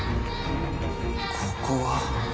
ここは？